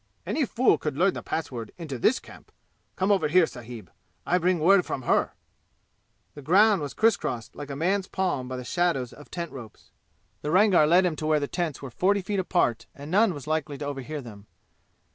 "Any fool could learn the password into this camp! Come over here, sahib. I bring word from her." The ground was criss crossed like a man's palm by the shadows of tent ropes. The Rangar led him to where the tents were forty feet apart and none was likely to overhear them.